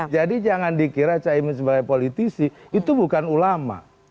jadi jangan dikira kikimin sebagai politisi itu bukan ulama